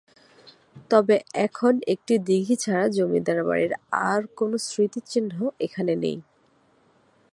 তবে এখন একটি দিঘী ছাড়া জমিদার বাড়ির আর কোনো স্মৃতিচিহ্ন এখানে নেই।